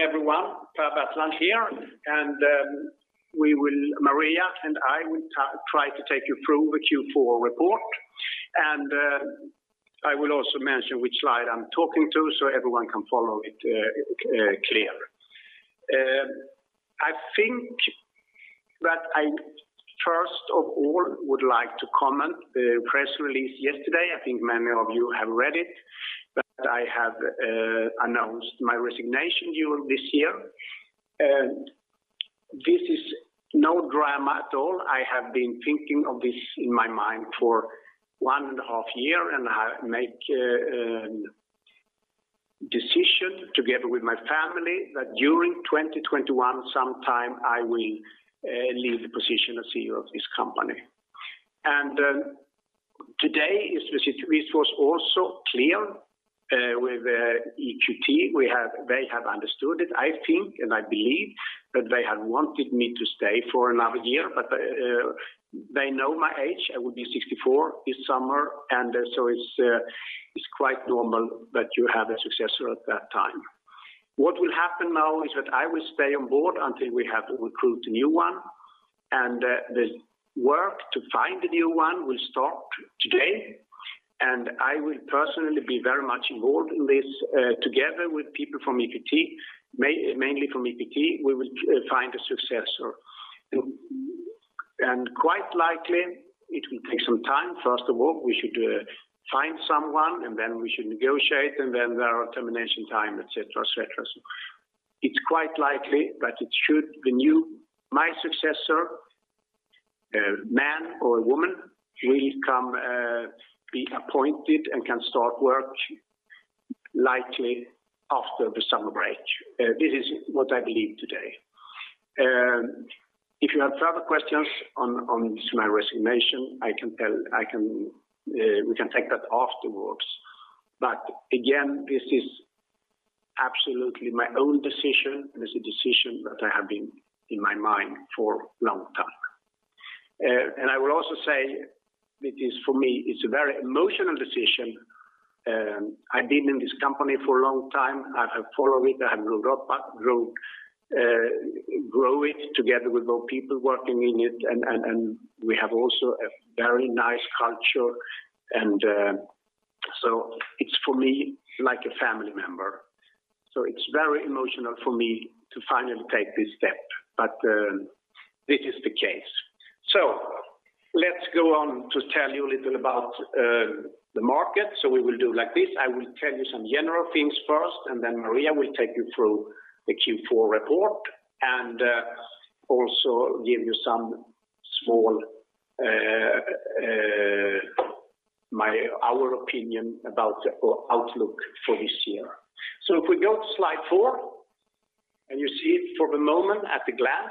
Morning, everyone. Per Bertland here. Maria and I will try to take you through the Q4 report. I will also mention which slide I'm talking to so everyone can follow it clear. I think that I, first of all, would like to comment the press release yesterday. I think many of you have read it, that I have announced my resignation during this year. This is no drama at all. I have been thinking of this in my mind for one and a half year, and I make decision together with my family that during 2021, sometime, I will leave the position as CEO of this company. Today is this was also clear with EQT. They have understood it, I think, and I believe that they had wanted me to stay for another year, but they know my age. I will be 64 this summer. It's quite normal that you have a successor at that time. What will happen now is that I will stay on board until we have recruited a new one. The work to find a new one will start today. I will personally be very much involved in this, together with people from EQT, mainly from EQT, we will find a successor. Quite likely it will take some time. First of all, we should find someone. We should negotiate. There are termination time, et cetera. It's quite likely that my successor, man or woman, will be appointed and can start work likely after the summer break. This is what I believe today. If you have further questions on my resignation, we can take that afterwards. Again, this is absolutely my own decision, and it's a decision that I have been in my mind for a long time. I will also say it is, for me, it's a very emotional decision. I've been in this company for a long time. I have followed it. I have grow it together with all people working in it, and we have also a very nice culture. It's, for me, like a family member. It's very emotional for me to finally take this step, but this is the case. Let's go on to tell you a little about the market. We will do like this. I will tell you some general things first, and then Maria will take you through the Q4 report and also give you our opinion about the outlook for this year. If we go to slide four, and you see it for the moment at a glance,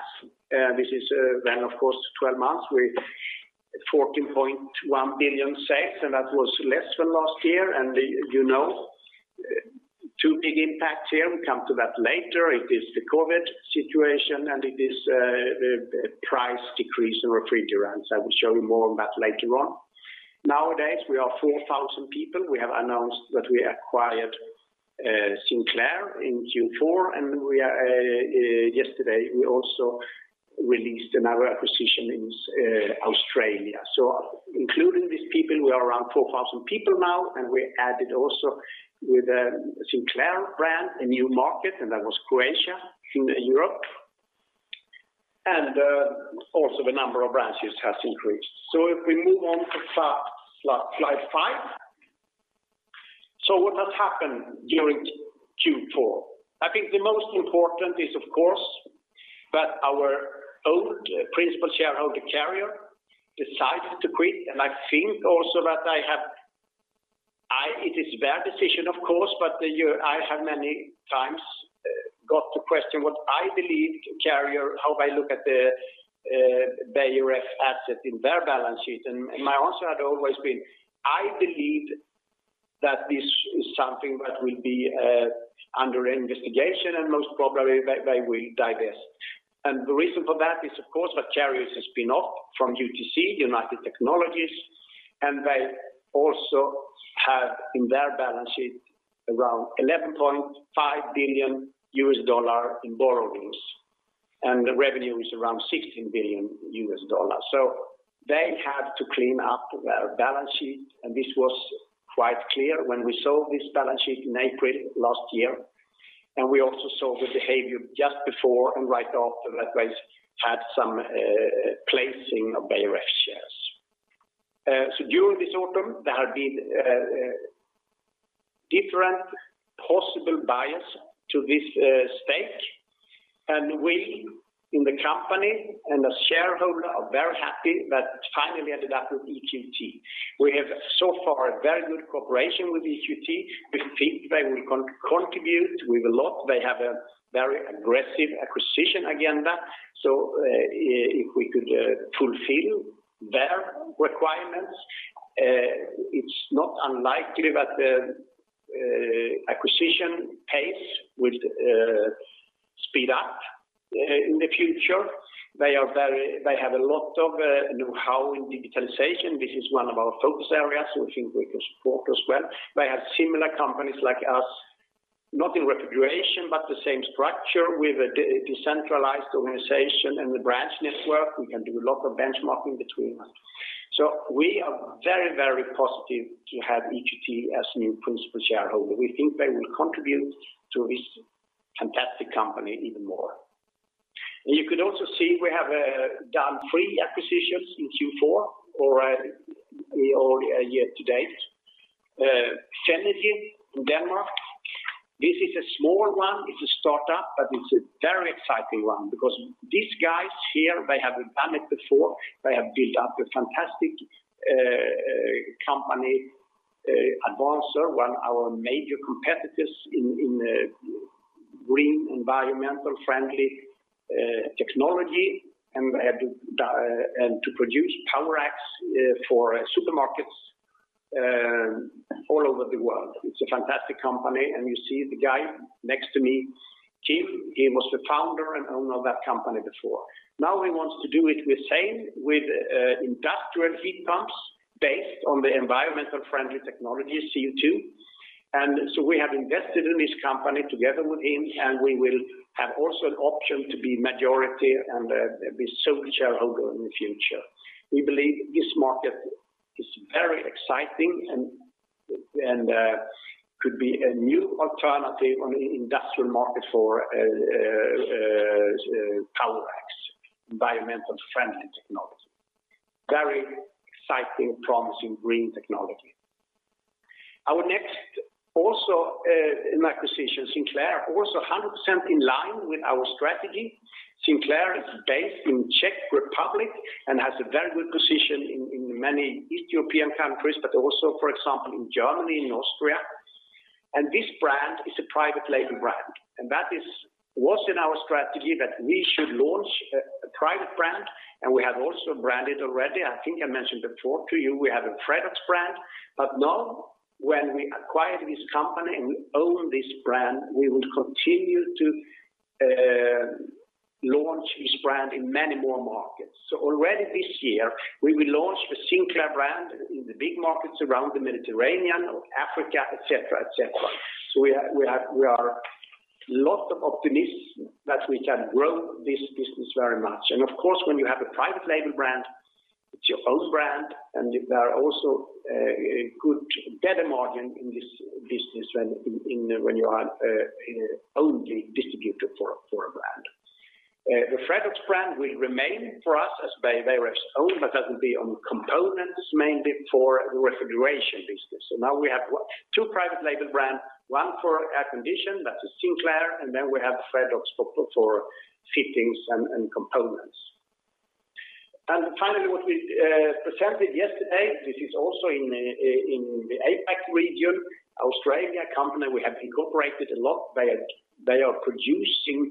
this is then of course 12 months with 14.1 billion sales, and that was less than last year. You know two big impacts here. We come to that later. It is the COVID-19 situation, and it is price decrease in refrigerants. I will show you more on that later on. Nowadays, we are 4,000 people. We have announced that we acquired Sinclair in Q4, and yesterday we also released another acquisition in Australia. Including these people, we are around 4,000 people now, and we added also with the Sinclair brand, a new market, and that was Croatia in Europe. Also the number of branches has increased. If we move on to slide five. What has happened during Q4? I think the most important is, of course, that our old principal shareholder, Carrier, decided to quit. I think also that it is their decision, of course, but I have many times got to question what I believe Carrier, how I look at the Beijer Ref asset in their balance sheet. My answer had always been, "I believe that this is something that will be under investigation, and most probably they will divest." The reason for that is, of course, that Carrier has spin off from UTC, United Technologies, and they also have in their balance sheet around $11.5 billion in borrowings, and the revenue is around $16 billion. They had to clean up their balance sheet, and this was quite clear when we saw this balance sheet in April last year. We also saw the behavior just before and right after that they had some placing of Beijer Ref shares. During this autumn, there have been different possible buyers to this stake. We in the company and as shareholder are very happy that it finally ended up with EQT. We have so far a very good cooperation with EQT. We think they will contribute with a lot. They have a very aggressive acquisition agenda. If we could fulfill their requirements, it's not unlikely that acquisition pace will speed up in the future. They have a lot of know-how in digitalization. This is one of our focus areas, so we think we can support as well. They have similar companies like us, not in refrigeration, but the same structure with a decentralized organization and the branch network. We can do a lot of benchmarking between us. We are very positive to have EQT as new principal shareholder. We think they will contribute to this fantastic company even more. You could also see we have done three acquisitions in Q4 or year to date. Synergy in Denmark, this is a small one. It is a startup, but it is a very exciting one because these guys here, they have not done it before. They have built up a fantastic company, Advansor, one of our major competitors in green, environmental-friendly technology and to produce power packs for supermarkets all over the world. It is a fantastic company, and you see the guy next to me, Kim. He was the founder and owner of that company before. Now he wants to do it with industrial heat pumps based on the environmental-friendly technology, CO2. We have invested in this company together with him, and we will have also an option to be majority and be sole shareholder in the future. We believe this market is very exciting and could be a new alternative on the industrial market for power packs, environmental-friendly technology. Very exciting, promising green technology. Our next acquisition, Sinclair, also 100% in line with our strategy. Sinclair is based in Czech Republic and has a very good position in many East European countries, but also, for example, in Germany and Austria. This brand is a private label brand. That was in our strategy that we should launch a private brand, and we have also branded already. I think I mentioned before to you, we have a Freddox brand. Now when we acquired this company and we own this brand, we will continue to launch this brand in many more markets. Already this year, we will launch the Sinclair brand in the big markets around the Mediterranean or Africa, et cetera. We are lots of optimism that we can grow this business very much. Of course, when you have a private label brand, it's your own brand, and there are also good data margin in this business when you are only distributor for a brand. The Freddox brand will remain for us as Beijer Ref's own, but that will be on components mainly for the refrigeration business. Now we have two private label brands, one for air condition, that's the Sinclair, and then we have Freddox for fittings and components. Finally, what we presented yesterday, this is also in the APAC region, Australia company, we have incorporated a lot. They are producing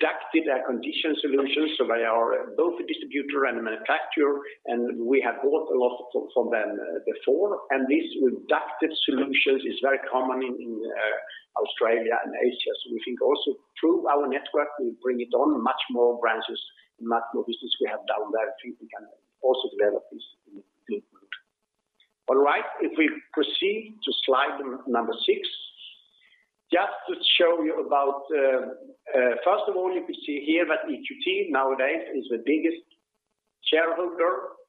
ducted air conditioning solutions, so they are both a distributor and a manufacturer, and we have bought a lot from them before. These ducted solutions is very common in Australia and Asia. We think also through our network, we bring it on much more branches and much more business we have down there. I think we can also develop this in good. All right, if we proceed to slide number six, just to show you about, first of all, you could see here that EQT nowadays is the biggest shareholder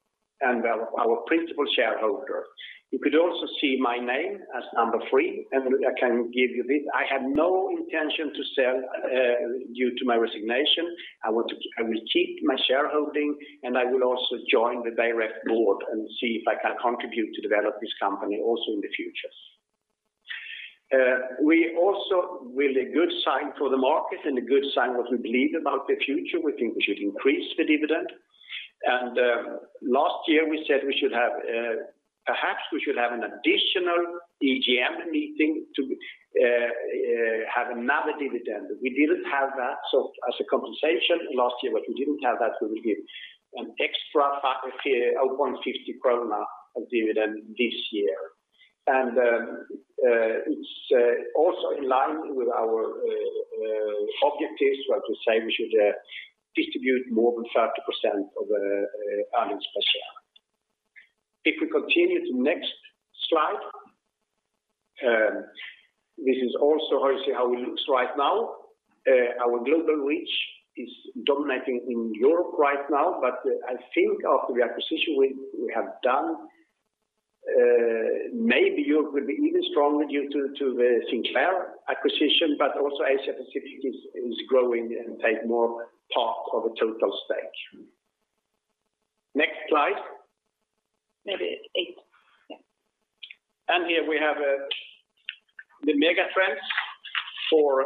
and our principal shareholder. You could also see my name as number three, and I can give you this. I have no intention to sell due to my resignation. I will keep my shareholding, and I will also join the Beijer Ref board and see if I can contribute to develop this company also in the future. A good sign for the market and a good sign what we believe about the future, we think we should increase the dividend. Last year, we said perhaps we should have an additional EGM meeting to have another dividend. We didn't have that. As a compensation, last year, what we didn't have that, we will give an extra 0.50 krona of dividend this year. It's also in line with our objectives, what we say we should distribute more than 30% of earnings per share. If we continue to next slide. This is also how it looks right now. Our global reach is dominating in Europe right now, but I think after the acquisition we have done, maybe Europe will be even stronger due to the Sinclair acquisition, but also Asia Pacific is growing and take more part of a total stage. Next slide. Maybe eight. Yeah. Here we have the mega trends for.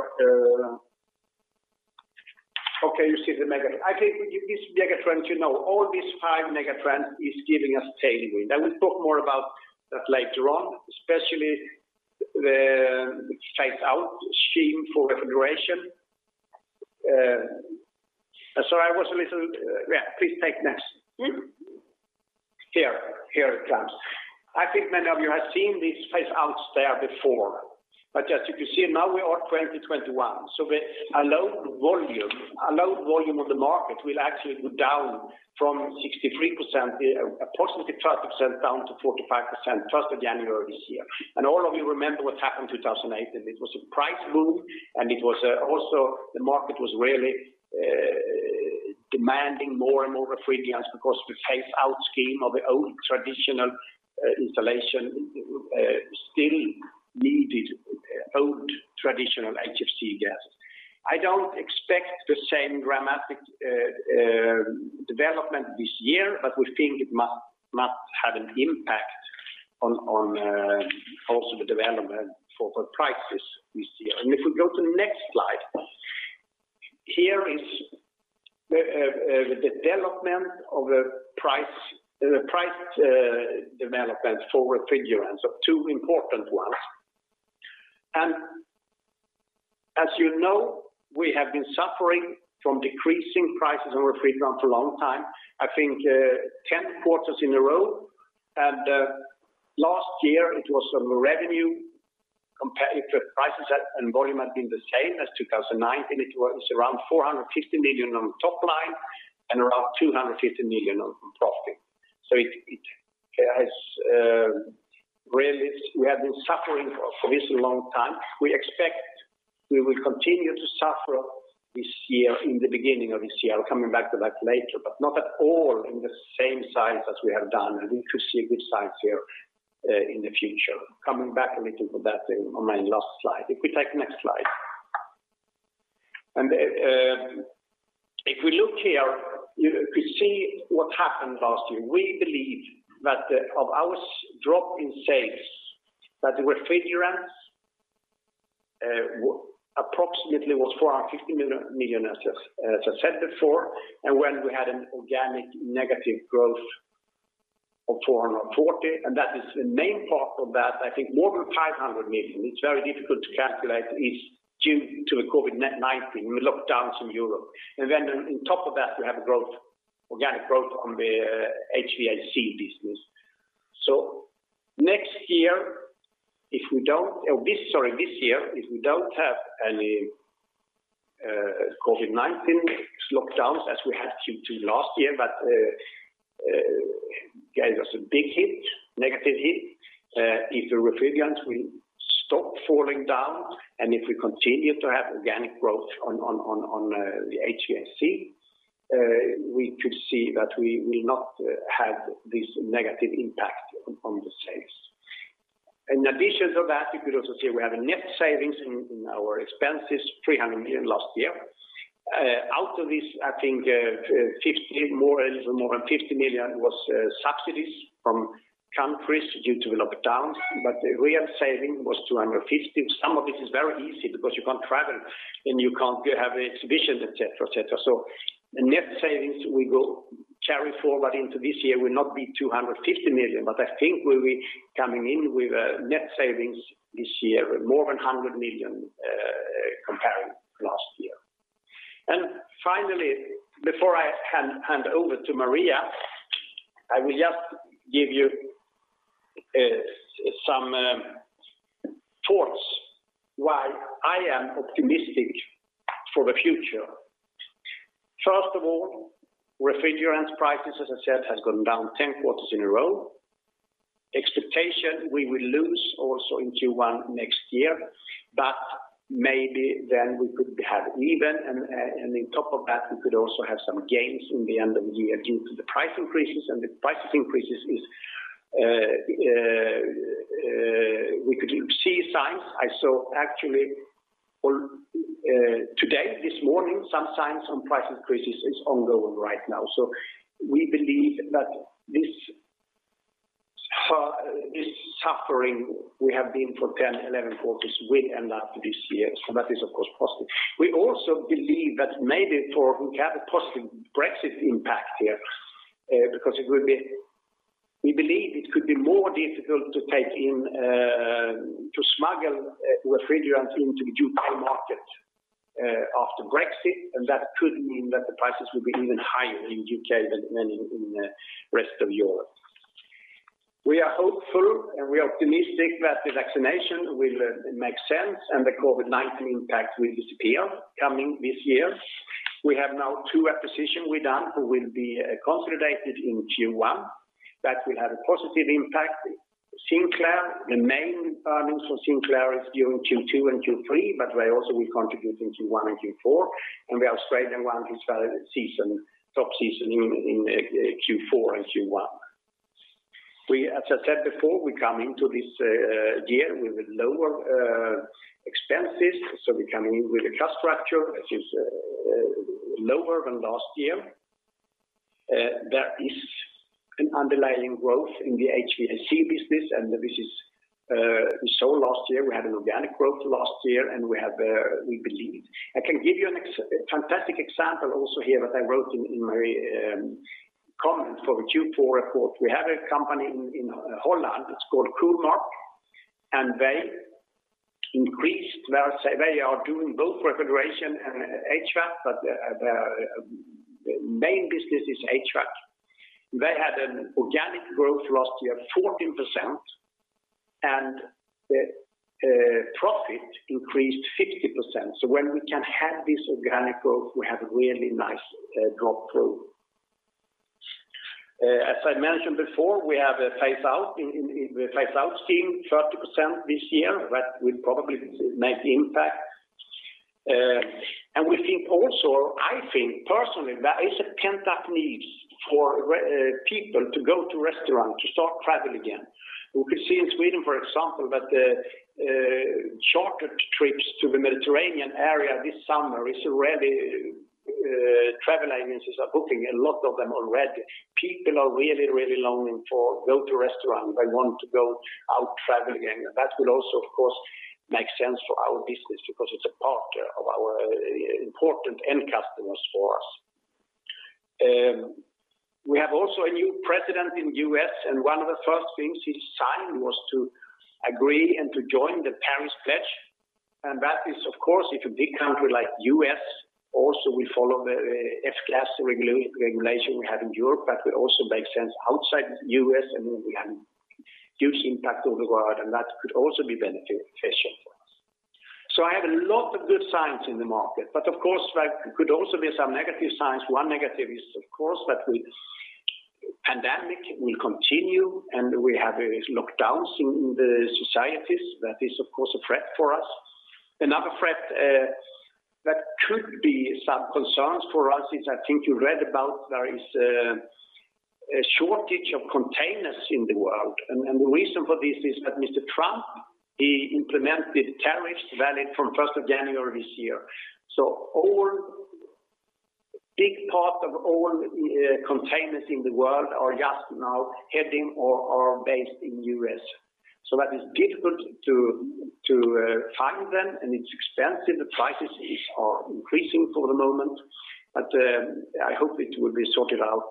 Okay, you see the mega trend. I think this mega trend, all these five mega trend is giving us tailwind. I will talk more about that later on, especially the phase out scheme for refrigeration. Sorry, I was a little. Yeah, please take next. Here it comes. I think many of you have seen these phase outs there before. As you can see now we are 2021. A low volume of the market will actually go down from 63%, a +30% down to 45%, 1st of January this year. All of you remember what happened 2008. It was a price boom. Also the market was really demanding more and more refrigerants because the phase out scheme of the old traditional installation still needed old traditional HFC gases. I don't expect the same dramatic development this year. We think it must have an impact on also the development for the prices this year. If we go to the next slide. Here is the price development for refrigerants, two important ones. As you know, we have been suffering from decreasing prices on refrigerants a long time, I think, 10 quarters in a row. Last year it was revenue, if the prices and volume had been the same as 2019, it was around 450 million on top line and around 250 million on profit. We have been suffering for this a long time. We expect we will continue to suffer this year, in the beginning of this year. I'm coming back to that later, but not at all in the same size as we have done, and we could see good signs here, in the future. Coming back a little for that on my last slide. If we take the next slide. If we look here, you could see what happened last year. We believe that of our drop in sales, refrigerants approximately was 450 million, as I said before, when we had an organic negative growth of 440 million, that is the main part of that, I think more than 500 million, it's very difficult to calculate, is due to the COVID-19 lockdowns in Europe. On top of that, we have organic growth on the HVAC business. Next year, sorry, this year, if we don't have any COVID-19 lockdowns as we had Q2 last year, that gave us a big hit, negative hit. If the refrigerants will stop falling down, and if we continue to have organic growth on the HVAC, we could see that we will not have this negative impact on the sales. In addition to that, you could also see we have a net savings in our expenses, 300 million last year. Out of this, I think, a little more than 50 million was subsidies from countries due to the lockdowns, the real saving was 250 million. Some of it is very easy because you can't travel, and you can't have exhibitions, et cetera. The net savings we carry forward into this year will not be 250 million, but I think we'll be coming in with a net savings this year of more than 100 million, comparing to last year. Finally, before I hand over to Maria, I will just give you some thoughts why I am optimistic for the future. First of all, refrigerants prices, as I said, has gone down 10 quarters in a row. Expectation, we will lose also in Q1 next year, but maybe then we could have even, and on top of that, we could also have some gains in the end of the year due to the price increases. The price increases, we could see signs. I saw actually today, this morning, some signs on price increases is ongoing right now. We believe that this suffering we have been for 10, 11 quarters will end after this year. That is, of course, positive. We also believe that maybe for we have a positive Brexit impact here, because we believe it could be more difficult to smuggle refrigerants into the U.K. market after Brexit, and that could mean that the prices will be even higher in U.K. than in rest of Europe. We are hopeful and we are optimistic that the vaccination will make sense and the COVID-19 impact will disappear coming this year. We have now two acquisition we done will be consolidated in Q1. That will have a positive impact. Sinclair, the main earnings for Sinclair is during Q2 and Q3, but they also will contribute in Q1 and Q4. The Australian one is top season in Q4 and Q1. As I said before, we come into this year with lower expenses, so we're coming in with a cost structure which is lower than last year. There is an underlying growth in the HVAC business, and this is shown last year. We had an organic growth last year, and we believe. I can give you a fantastic example also here that I wrote in my comment for the Q4 report. We have a company in Holland, it's called Coolmark. They are doing both refrigeration and HVAC, but their main business is HVAC. They had an organic growth last year of 14%, profit increased 50%. When we can have this organic growth, we have really nice growth. As I mentioned before, we have a phase out scheme 30% this year that will probably make impact. I think personally, there is a pent-up need for people to go to restaurants, to start travel again. We could see in Sweden, for example, that the shorter trips to the Mediterranean area this summer, travel agencies are booking a lot of them already. People are really longing to go to restaurants. They want to go out traveling again. That will also, of course, make sense for our business because it's a part of our important end customers for us. We have also a new president in the U.S. One of the first things he signed was to agree and to join the Paris Agreement. That is, of course, if a big country like U.S. also will follow the F-gas regulation we have in Europe, that will also make sense outside of U.S. and will have huge impact over the world. That could also be beneficial for us. I have a lot of good signs in the market. Of course, there could also be some negative signs. One negative is, of course, that the pandemic will continue. We have lockdowns in the societies. That is, of course, a threat for us. Another threat that could be some concerns for us is I think you read about there is a shortage of containers in the world. The reason for this is that Mr. Trump, he implemented tariffs valid from 1st of January this year. Big part of all the containers in the world are just now heading or are based in U.S. That is difficult to find them, and it's expensive. The prices are increasing for the moment, but I hope it will be sorted out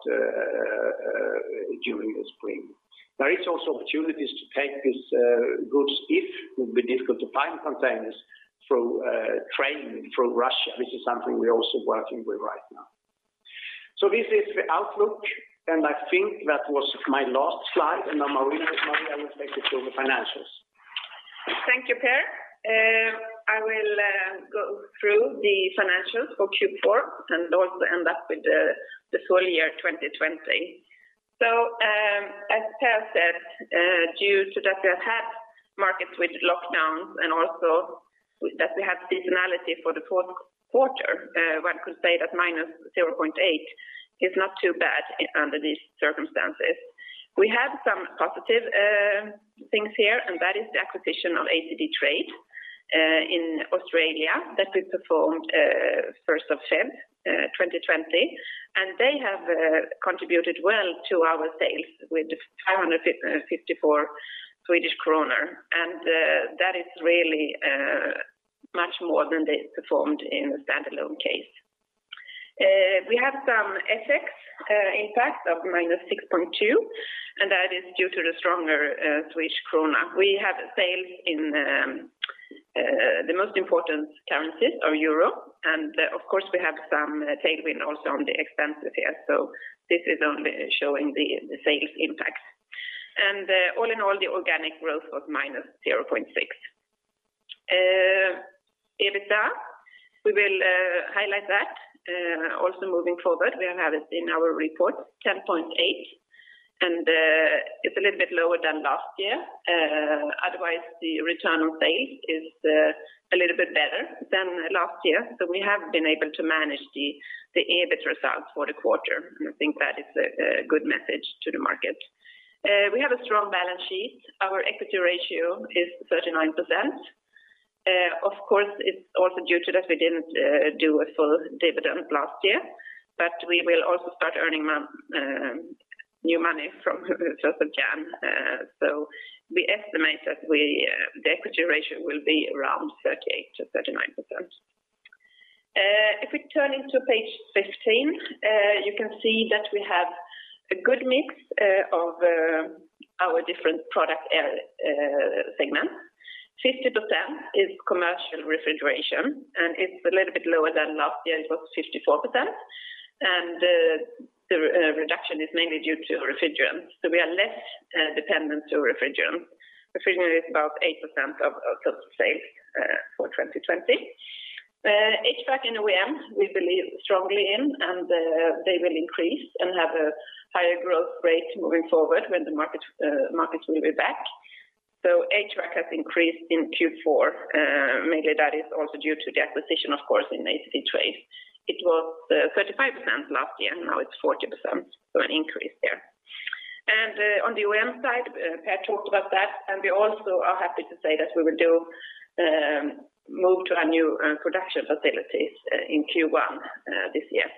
during the spring. There is also opportunities to take these goods if it will be difficult to find containers through train through Russia, which is something we're also working with right now. This is the outlook, and I think that was my last slide, and now Maria will take us through the financials. Thank you, Per. I will go through the financials for Q4 and also end up with the full year 2020. As Per said, due to that we have had markets with lockdowns and also that we have seasonality for the fourth quarter, one could say that -0.8 is not too bad under these circumstances. We have some positive things here, and that is the acquisition of ACD Trade in Australia that we performed 1st of Feb, 2020. They have contributed well to our sales with 554 Swedish kronor. That is really much more than they performed in a standalone case. We have some FX impact of -6.2, and that is due to the stronger Swedish krona. We have sales in the most important currencies or Euro, and of course, we have some tailwind also on the expenses here. This is only showing the sales impact. All in all, the organic growth was -0.6. EBITDA, we will highlight that also moving forward. We have it in our report, 10.8, and it's a little bit lower than last year. Otherwise, the return on sales is a little bit better than last year. We have been able to manage the EBIT results for the quarter, and I think that is a good message to the market. We have a strong balance sheet. Our equity ratio is 39%. Of course, it's also due to that we didn't do a full dividend last year, but we will also start earning new money from 1st of January. We estimate that the equity ratio will be around 38%-39%. If we turn into page 15, you can see that we have a good mix of our different product segment. 50% is commercial refrigeration. It's a little bit lower than last year. It was 54%. The reduction is mainly due to refrigerant. We are less dependent to refrigerant. Refrigerant is about 8% of total sales for 2020. HVAC and OEM, we believe strongly in. They will increase and have a higher growth rate moving forward when the markets move it back. HVAC has increased in Q4. Mainly that is also due to the acquisition, of course, in ACD Trade. It was 35% last year. Now it's 40%, so an increase there. On the OEM side, Per talked about that, and we also are happy to say that we will move to our new production facilities in Q1 this year.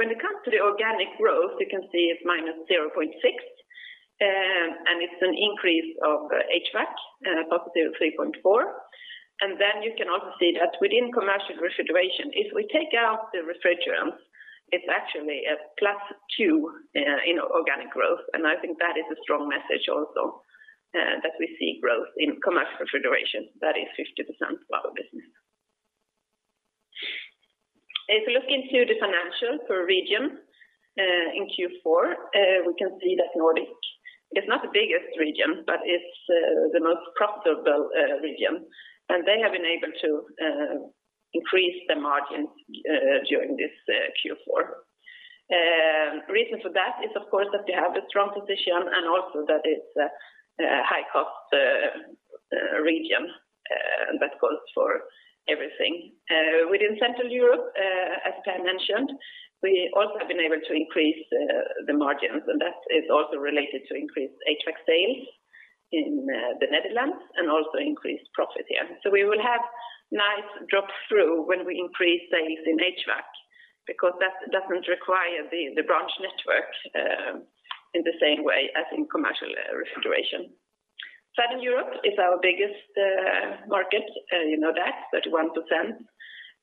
When it comes to the organic growth, you can see it's -0.6, and it's an increase of HVAC, +3.4. You can also see that within commercial refrigeration, if we take out the refrigerants, it's actually a plus two in organic growth. I think that is a strong message also that we see growth in commercial refrigeration. That is 50% of our business. If you look into the financials per region, in Q4, we can see that Nordic is not the biggest region, but it's the most profitable region. They have been able to increase the margins during this Q4. The reason for that is, of course, that they have a strong position and also that it's a high-cost region that goes for everything. Within Central Europe, as Per mentioned, we also have been able to increase the margins. That is also related to increased HVAC sales in the Netherlands and also increased profit here. We will have nice drop through when we increase sales in HVAC, because that doesn't require the branch network in the same way as in commercial refrigeration. Southern Europe is our biggest market. You know that, 31%.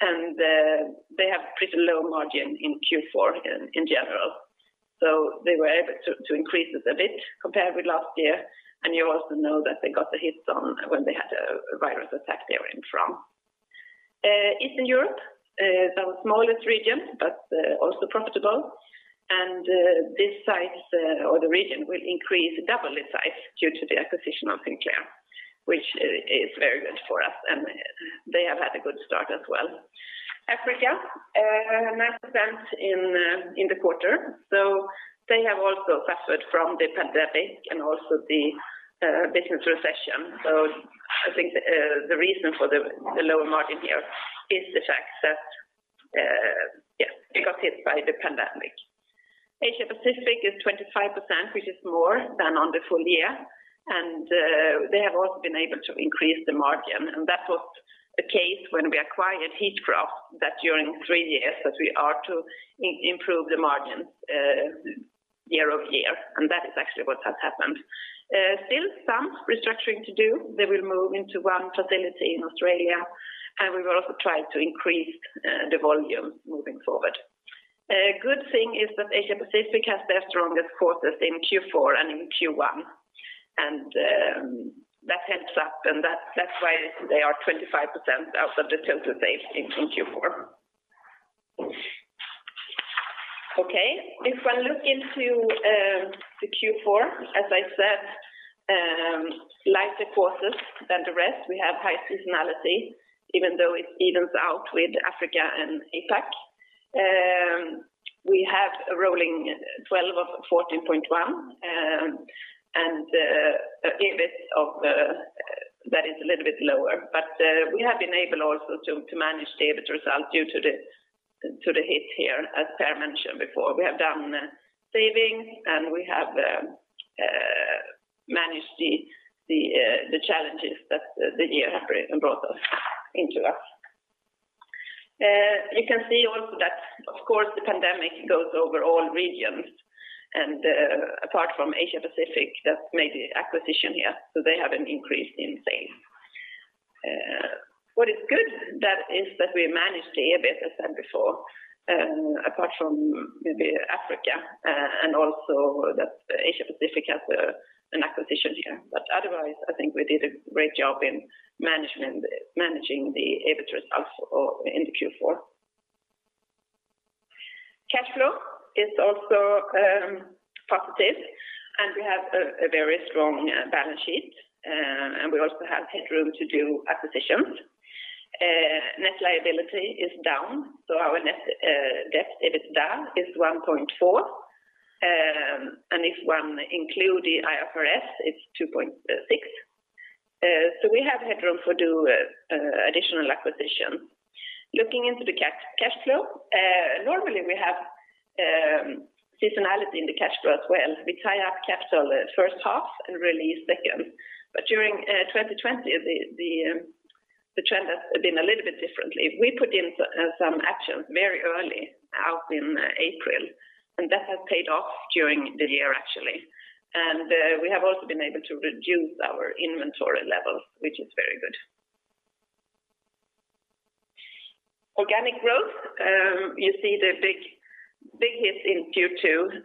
They have pretty low margin in Q4 in general. They were able to increase it a bit compared with last year, you also know that they got the hits on when they had a virus attack there in Rome. Eastern Europe is our smallest region, also profitable, this site or the region will increase double in size due to the acquisition of Sinclair, which is very good for us, they have had a good start as well. Africa, 9% in the quarter. They have also suffered from the pandemic, also the business recession. I think the reason for the lower margin here is the fact that, yes, it got hit by the pandemic. Asia-Pacific is 25%, which is more than on the full year, and they have also been able to increase the margin, and that was the case when we acquired Heatcraft, that during three years that we are to improve the margins year-over-year, and that is actually what has happened. Still some restructuring to do. They will move into one facility in Australia, and we will also try to increase the volume moving forward. A good thing is that Asia-Pacific has their strongest quarters in Q4 and in Q1, and that adds up, and that's why they are 25% of the total sales in Q4. Okay, if I look into the Q4, as I said, lighter quarters than the rest. We have high seasonality, even though it evens out with Africa and APAC. We have a rolling 12 of 14.1, and EBIT of that is a little bit lower. We have been able also to manage the EBIT result due to the hit here, as Per mentioned before. We have done savings, and we have managed the challenges that the year have brought us, into us. You can see also that, of course, the pandemic goes over all regions, and apart from Asia-Pacific, that's made the acquisition here, so they have an increase in sales. What is good that is that we managed the EBIT, as said before, apart from maybe Africa, and also that Asia-Pacific has an acquisition here. Otherwise, I think we did a great job in managing the EBIT results in the Q4. Cash flow is also positive. We have a very strong balance sheet. We also have headroom to do acquisitions. Net liability is down. Our net debt/EBITDA is 1.4. If one include the IFRS, it's 2.6. We have headroom to do additional acquisition. Looking into the cash flow, normally we have seasonality in the cash flow as well. We tie up capital first half and release second. During 2020, the trend has been a little bit different. We put in some actions very early, out in April. That has paid off during the year, actually. We have also been able to reduce our inventory levels, which is very good. Organic growth, you see the big hit in Q2.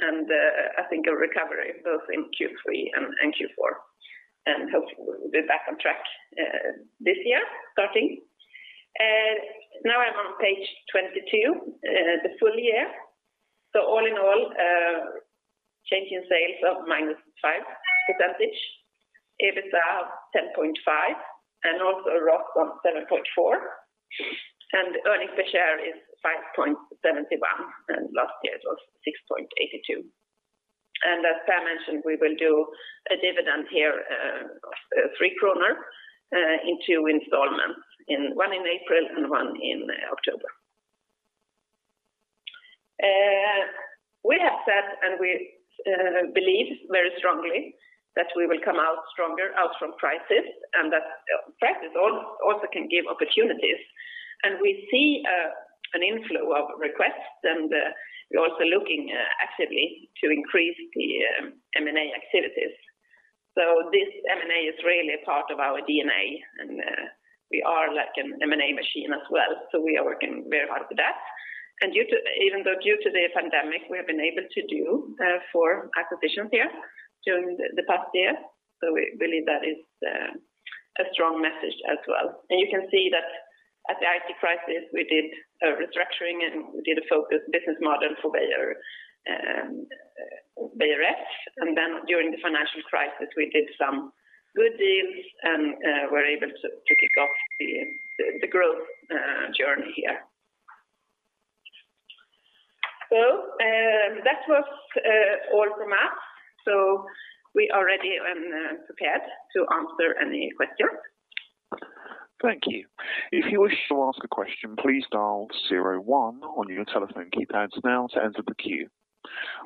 I think a recovery both in Q3 and Q4. Hopefully we'll be back on track this year. I'm on page 22, the full year. All in all, change in sales of -5%. EBITDA of 10.5%, ROS of 7.4%, earnings per share is 5.71, last year it was 6.82. As Per mentioned, we will do a dividend here of 3 kronor in two installments, one in April and one in October. We have said, we believe very strongly that we will come out stronger out from crisis, that crisis also can give opportunities, we see an inflow of requests, we're also looking actively to increase the M&A activities. This M&A is really a part of our DNA, we are like an M&A machine as well. We are working very hard for that. Even though due to the pandemic, we have been able to do four acquisitions here during the past year, so we believe that is a strong message as well. You can see that at the IT crisis, we did a restructuring and we did a focus business model for Beijer Ref. During the financial crisis, we did some good deals and were able to kick off the growth journey here. That was all from us. We are ready and prepared to answer any questions. Thank you. If you wish to ask a question, please dial zero one on your telephone keypads now to enter the queue.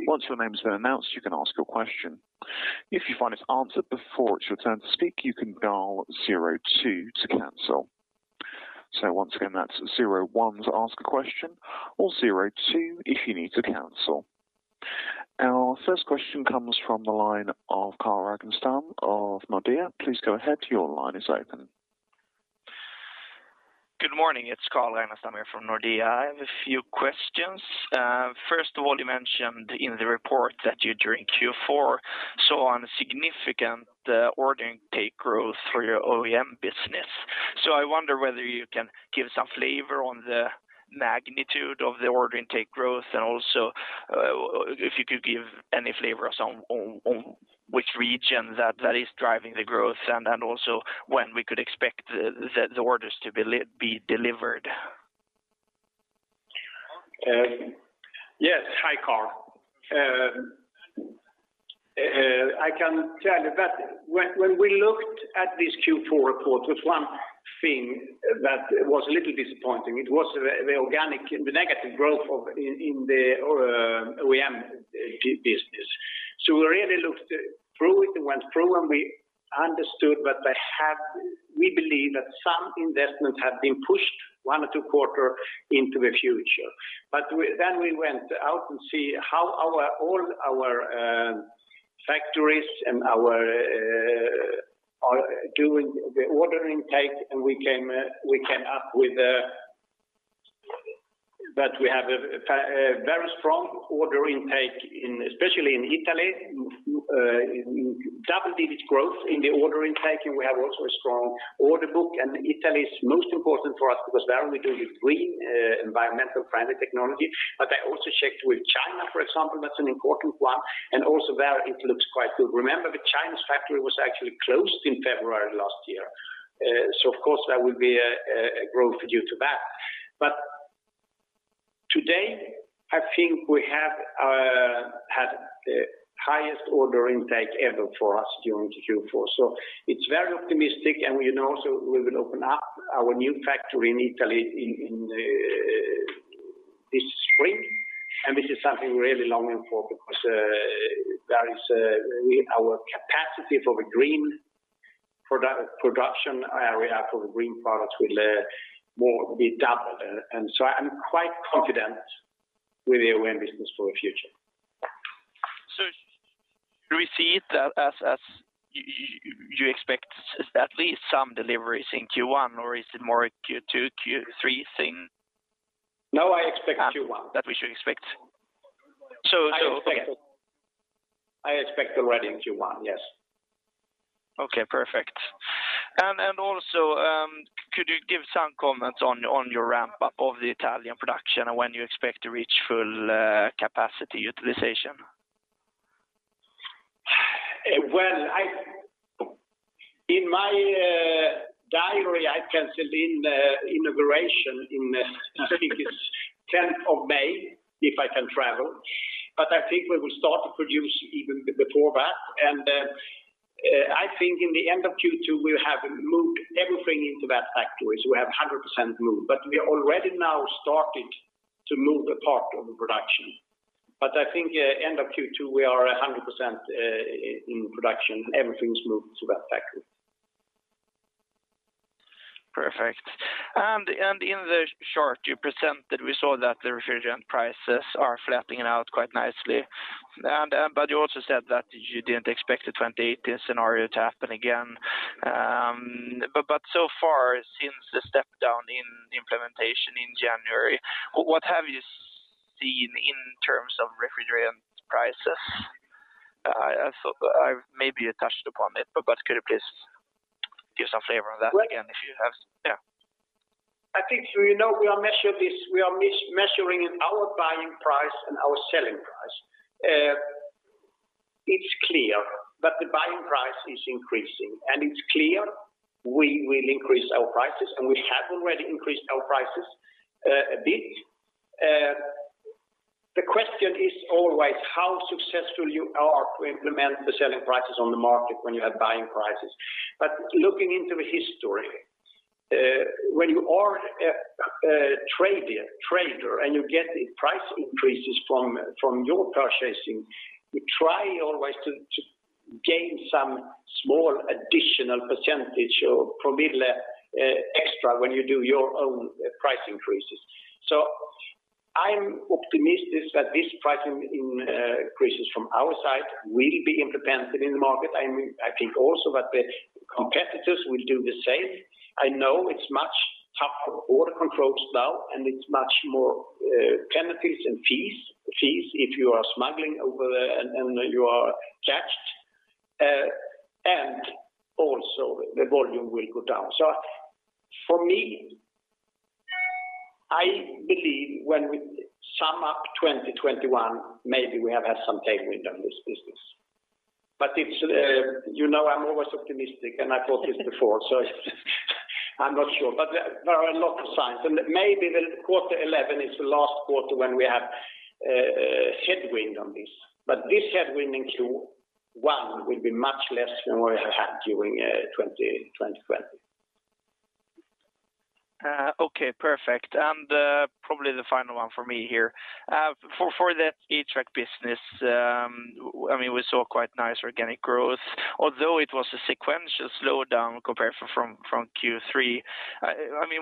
Once your name has been announced, you can ask your question. If you find it's answered before it's your turn to speak, you can dial zero two to cancel. Once again, that's zero one to ask a question or zero two if you need to cancel. Our first question comes from the line of Carl Ragnerstam of Nordea. Please go ahead. Your line is open. Good morning. It's Carl Ragnerstam here from Nordea. I have a few questions. First of all, you mentioned in the report that you, during Q4, saw a significant order intake growth for your OEM business. I wonder whether you can give some flavor on the magnitude of the order intake growth, and also if you could give any flavor on which region that is driving the growth and also when we could expect the orders to be delivered? Yes. Hi, Carl. I can tell you that when we looked at this Q4 report, there's one thing that was a little disappointing. It was the negative growth in the OEM business. We really looked through it and went through, and we understood that we believe that some investments have been pushed one or two quarter into the future. We went out and see how all our factories and our order intake, and we came up with that we have a very strong order intake, especially in Italy, double-digit growth in the order intake, and we have also a strong order book. Italy is most important for us because there we're doing green, environmental-friendly technology. I also checked with China, for example, that's an important one, and also there it looks quite good. Remember, the Chinese factory was actually closed in February last year. Of course there will be a growth due to that. Today, I think we have had the highest order intake ever for us during Q4. It's very optimistic, and we know also we will open up our new factory in Italy this spring, and this is something we're really longing for because our capacity for the green production area, for the green products will be doubled. I'm quite confident with the OEM business for the future. Do we see it as you expect at least some deliveries in Q1, or is it more a Q2, Q3 thing? No, I expect Q1. That we should expect. I expect already in Q1, yes. Okay, perfect. Also, could you give some comments on your ramp-up of the Italian production and when you expect to reach full capacity utilization? Well, in my diary, I've canceled the inauguration in, I think it's 10th of May, if I can travel. I think we will start to produce even before that. I think in the end of Q2, we will have moved everything into that factory. We have 100% moved. We already now started to move a part of the production. I think end of Q2, we are 100% in production. Everything's moved to that factory. Perfect. In the chart you presented, we saw that the refrigerant prices are flattening out quite nicely. You also said that you didn't expect the 2018 scenario to happen again. So far, since the step down in implementation in January, what have you seen in terms of refrigerant prices? Maybe you touched upon it, but could you please give some flavor on that again if you have? Yeah. I think we are measuring our buying price and our selling price. It's clear that the buying price is increasing, and it's clear we will increase our prices, and we have already increased our prices a bit. The question is always how successful you are to implement the selling prices on the market when you have buying prices. Looking into the history, when you are a trader and you get price increases from your purchasing, you try always to gain some small additional percentage or promille extra when you do your own price increases. I'm optimistic that this pricing increases from our side will be implemented in the market. I think also that the competitors will do the same. I know it's much tougher border controls now, and it's much more penalties and fees if you are smuggling over there and you are caught. Also the volume will go down. For me, I believe when we sum up 2021, maybe we have had some tailwind on this business. I'm always optimistic, and I thought this before, so I'm not sure. There are a lot of signs. Maybe the quarter 11 is the last quarter when we have headwind on this. This headwind in Q1 will be much less than what we have had during 2020. Okay, perfect. Probably the final one for me here. For the HVAC business, we saw quite nice organic growth, although it was a sequential slowdown compared from Q3.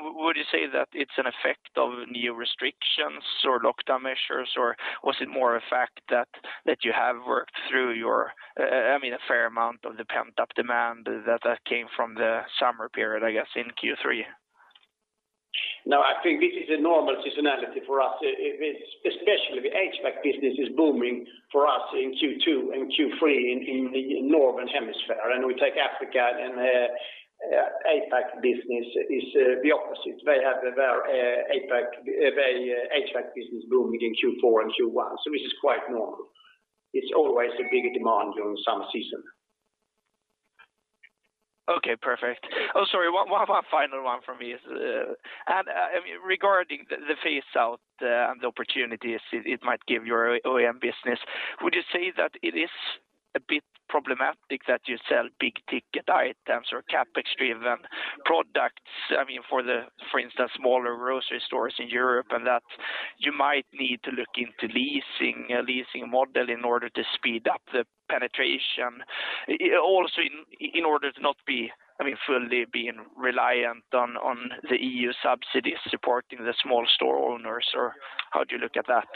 Would you say that it's an effect of new restrictions or lockdown measures, or was it more a fact that you have worked through a fair amount of the pent-up demand that came from the summer period, I guess, in Q3? No, I think this is a normal seasonality for us. Especially the HVAC business is booming for us in Q2 and Q3 in the Northern Hemisphere. We take Africa and the APAC business is the opposite. They have their HVAC business booming in Q4 and Q1. This is quite normal. It's always a bigger demand during summer season. Okay, perfect. Oh, sorry, one final one from me is, regarding the phase out and the opportunities it might give your OEM business, would you say that it is a bit problematic that you sell big-ticket items or CapEx-driven products, for instance, smaller grocery stores in Europe, and that you might need to look into leasing model in order to speed up the penetration? Also in order to not be fully being reliant on the EU subsidies supporting the small store owners, or how do you look at that?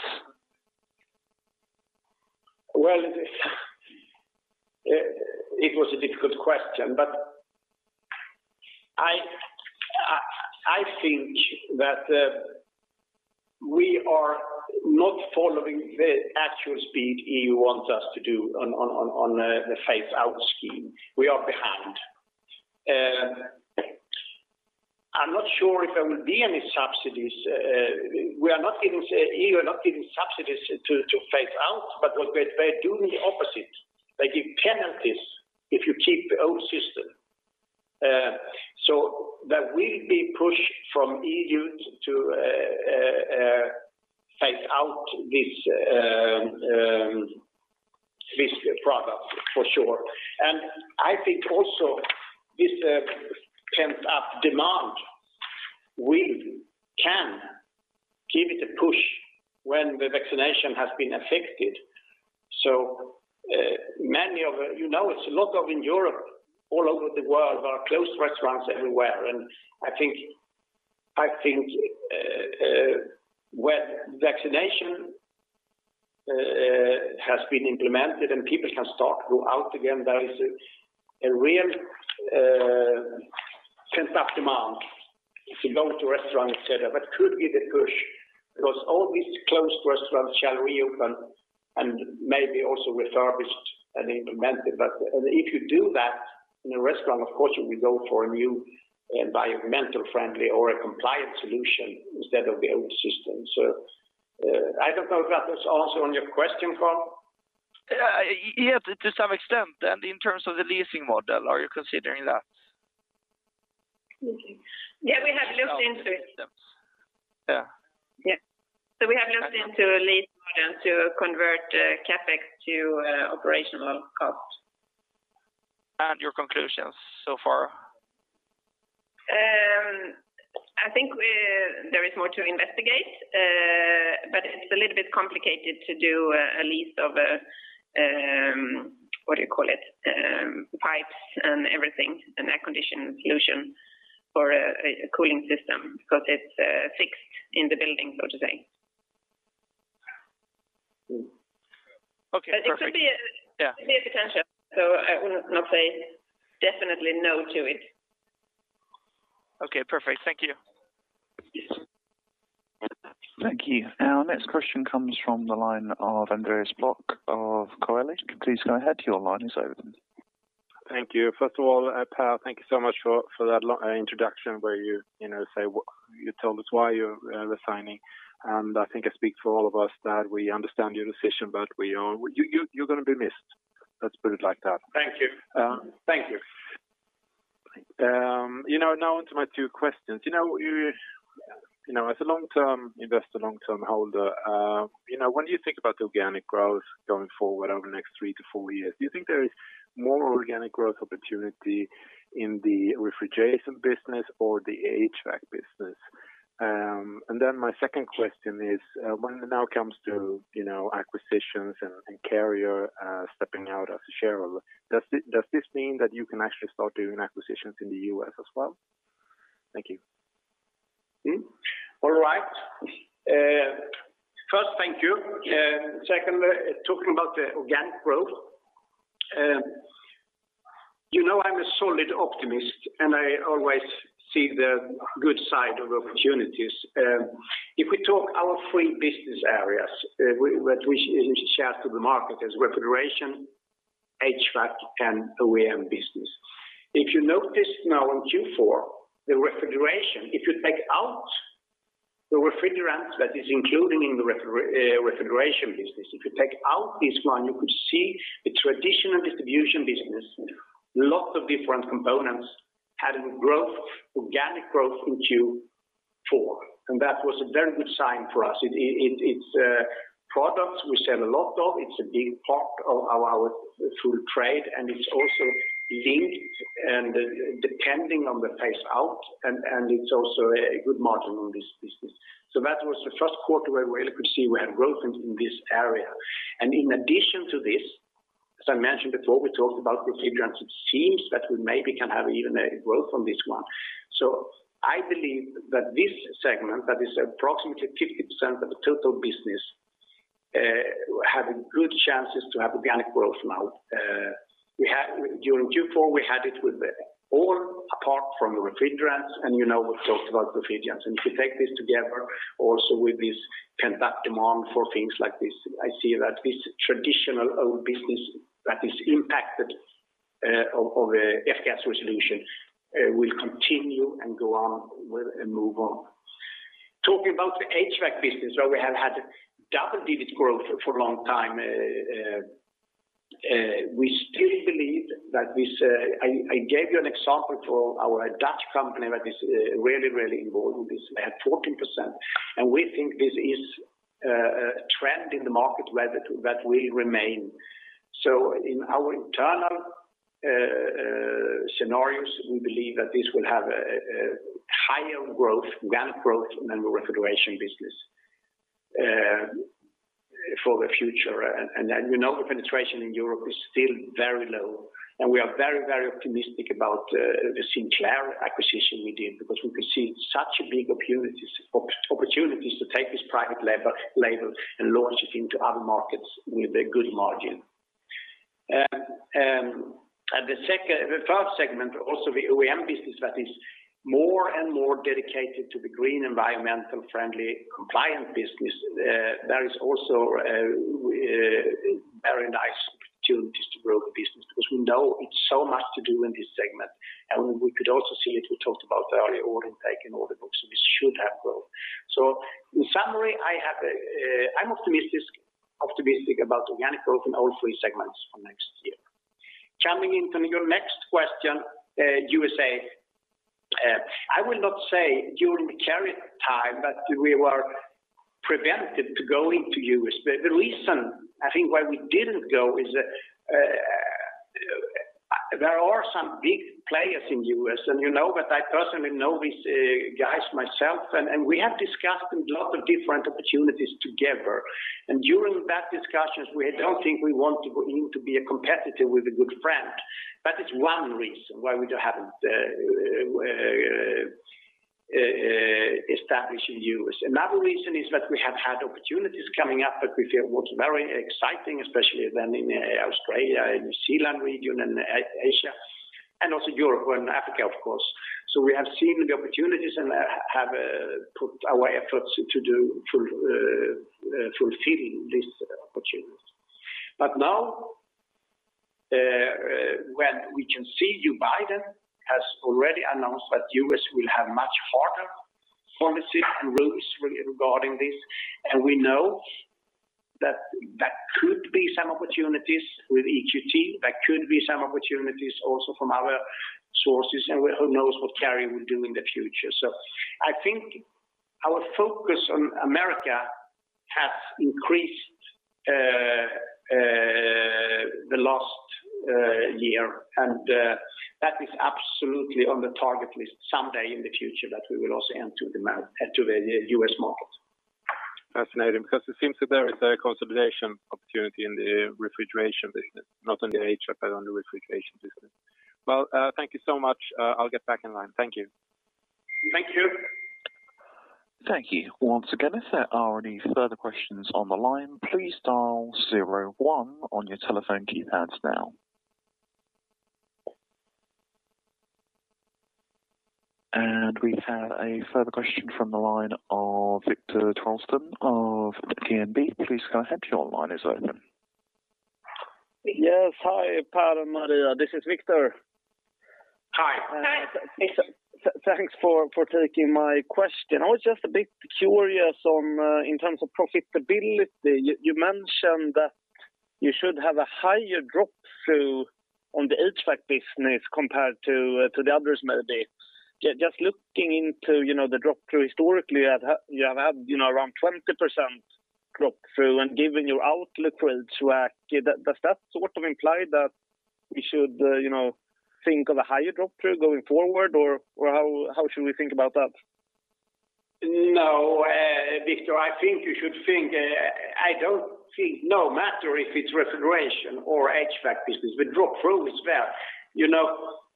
Well, it was a difficult question. I think that we are not following the actual speed EU wants us to do on the phase out scheme. We are behind. I'm not sure if there will be any subsidies. EU are not giving subsidies to phase out. They're doing the opposite. They give penalties if you keep the old system. There will be push from EU to phase out these products for sure. I think also this pent-up demand can give it a push when the vaccination has been effected. It's a lot of in Europe, all over the world are closed restaurants everywhere. I think when vaccination has been implemented and people can start to go out again, there is a real pent-up demand to go to restaurant, et cetera. That could be the push because all these closed restaurants shall reopen and maybe also refurbished and implemented. If you do that in a restaurant, of course you will go for a new environmental friendly or a compliant solution instead of the old system. I don't know if that was answer on your question, Carl? Yeah, to some extent. In terms of the leasing model, are you considering that? We have looked into it. Yeah. Yeah. We have looked into a lease model to convert CapEx to operational cost. Your conclusions so far? I think there is more to investigate, it's a little bit complicated to do a lease of, what do you call it, pipes and everything, an air conditioning solution for a cooling system because it's fixed in the building, so to say. Okay, perfect. Yeah. It could be a potential. I would not say definitely no to it. Okay, perfect. Thank you. Yes. Thank you. Our next question comes from the line of Andreas Brock of Coeli. Please go ahead, your line is open. Thank you. First of all, Per, thank you so much for that introduction where you told us why you're resigning. I think I speak for all of us that we understand your decision, but you're going to be missed. Let's put it like that. Thank you. Now onto my two questions. As a long-term investor, long-term holder, when you think about organic growth going forward over the next three to four years, do you think there is more organic growth opportunity in the refrigeration business or the HVAC business? My second question is, when it now comes to acquisitions and Carrier stepping out as a shareholder, does this mean that you can actually start doing acquisitions in the U.S. as well? Thank you. All right. First, thank you. Secondly, talking about the organic growth. You know I'm a solid optimist, and I always see the good side of opportunities. If we talk our three business areas, which we share to the market as refrigeration, HVAC, and OEM business. If you notice now in Q4, the refrigeration, if you take out the refrigerants that is included in the refrigeration business, if you take out this one, you could see the traditional distribution business, lots of different components, had organic growth in Q4, and that was a very good sign for us. It's a product we sell a lot of, it's a big part of our full trade, and it's also linked and depending on the phase out, and it's also a good margin on this business. That was the first quarter where we really could see we had growth in this area. In addition to this, as I mentioned before, we talked about refrigerants, it seems that we maybe can have even a growth on this one. I believe that this segment, that is approximately 50% of the total business, have good chances to have organic growth now. During Q4, we had it with all apart from refrigerants, and we've talked about refrigerants. If you take this together also with this pent-up demand for things like this, I see that this traditional old business that is impacted of F-gas regulation will continue and go on with, and move on. Talking about the HVAC business, where we have had double-digit growth for a long time, we still believe that this I gave you an example for our Dutch company that is really involved with this. They had 14%. We think this is a trend in the market that will remain. In our internal scenarios, we believe that this will have a higher growth, organic growth than the refrigeration business for the future. The penetration in Europe is still very low, and we are very optimistic about the Sinclair acquisition we did because we could see such a big opportunities to take this private label and launch it into other markets with a good margin. The third segment, also the OEM business that is more and more dedicated to the green environmental friendly compliant business, there is also very nice opportunities to grow the business because we know it's so much to do in this segment. We could also see it, we talked about the early order intake and order books. This should have growth. In summary, I'm optimistic about organic growth in all three segments for next year. Coming into your next question, U.S. I will not say during the Carrier time that we were prevented to going to U.S., but the reason I think why we didn't go is there are some big players in U.S. and you know that I personally know these guys myself, and we have discussed a lot of different opportunities together. During that discussions, we don't think we want to go in to be a competitor with a good friend. That is one reason why we haven't established in U.S. Another reason is that we have had opportunities coming up that we feel was very exciting, especially then in Australia, New Zealand region, and Asia, and also Europe and Africa, of course. We have seen the opportunities and have put our efforts to fulfilling these opportunities. Now, when we can see Joe Biden has already announced that U.S. will have much harder policies and rules regarding this, and we know that that could be some opportunities with EQT, that could be some opportunities also from other sources, and well, who knows what Carrier will do in the future. I think our focus on America has increased the last year, and that is absolutely on the target list someday in the future that we will also enter the U.S. market. Fascinating, because it seems that there is a consolidation opportunity in the refrigeration business, not only the HVAC, but on the refrigeration business. Well, thank you so much. I'll get back in line. Thank you. Thank you. Thank you. Once again, if there are any further questions on the line, please dial zero one on your telephone keypads now. We have a further question from the line of Viktor Trollsten of [Danske Bank]. Please go ahead, your line is open. Yes. Hi, Per and Maria. This is Viktor. Hi. Thanks for taking my question. I was just a bit curious in terms of profitability, you mentioned that you should have a higher drop-through on the HVAC business compared to the others, maybe. Just looking into the drop-through historically, you have had around 20% drop-through, and given your outlook for HVAC, does that sort of imply that we should think of a higher drop-through going forward, or how should we think about that? Viktor, no matter if it's refrigeration or HVAC business, the drop through is there.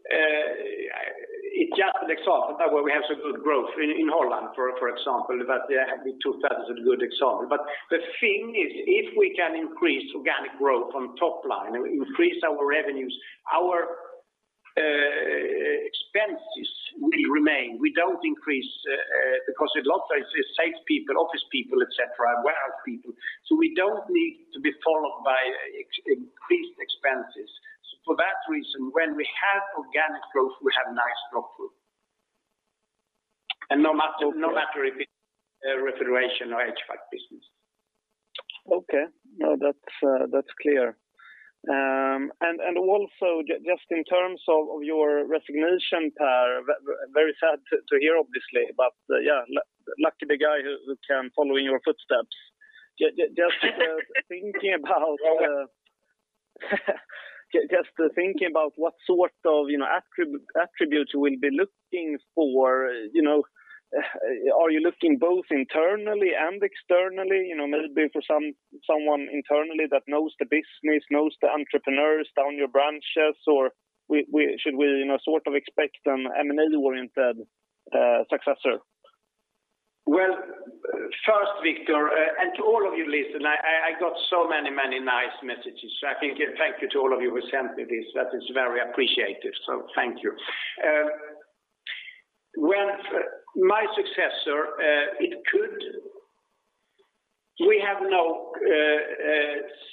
It just looks off that way. We have some good growth in Holland, for example, that there have been 2,000 good example. The thing is, if we can increase organic growth on top line and increase our revenues, our expenses will remain. We don't increase, because a lot of it is salespeople, office people, et cetera, warehouse people. We don't need to be followed by increased expenses. For that reason, when we have organic growth, we have nice drop through. No matter if it's refrigeration or HVAC business. Okay. No, that's clear. Also, just in terms of your resignation, Per, very sad to hear, obviously, but lucky the guy who can follow in your footsteps. Just thinking about what sort of attributes we'll be looking for. Are you looking both internally and externally? Maybe for someone internally that knows the business, knows the entrepreneurs down your branches, or should we sort of expect an M&A-oriented successor? First, Viktor, and to all of you listening, I got so many nice messages. Thank you to all of you who sent me this. That is very appreciated. Thank you. My successor, we have no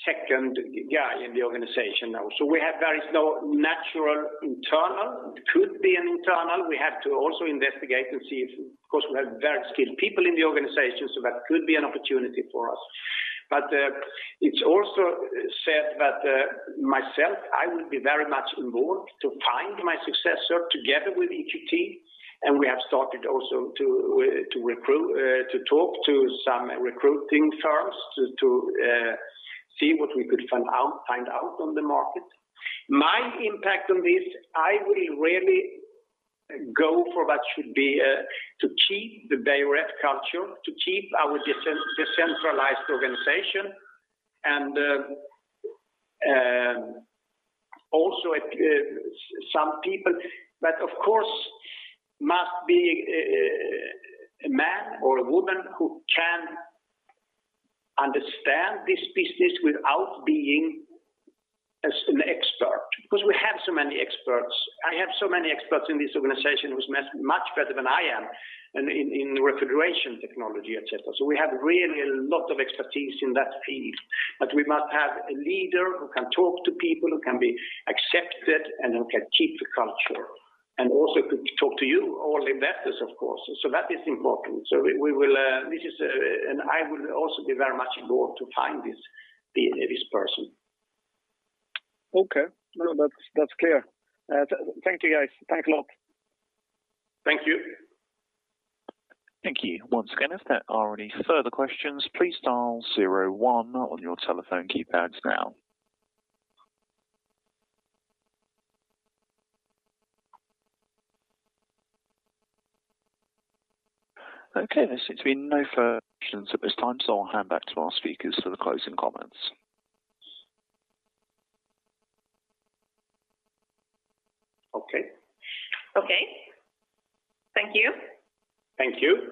second guy in the organization now. There is no natural internal. It could be an internal. We have to also investigate and see if, of course, we have very skilled people in the organization. That could be an opportunity for us. It's also said that myself, I will be very much involved to find my successor together with EQT. We have started also to talk to some recruiting firms to see what we could find out on the market. My impact on this, I will really go for what should be to keep the Beijer Ref culture, to keep our decentralized organization, also some people. Of course, must be a man or a woman who can understand this business without being an expert. We have so many experts. I have so many experts in this organization who's much better than I am in refrigeration technology, et cetera. We have really a lot of expertise in that field. We must have a leader who can talk to people, who can be accepted, and who can keep the culture, and also could talk to you, all investors, of course. That is important. I will also be very much involved to find this person. Okay. No, that's clear. Thank you, guys. Thanks a lot. Thank you. Thank you. Okay, there seems to be no further questions at this time, so I'll hand back to our speakers for the closing comments. Okay. Okay. Thank you. Thank you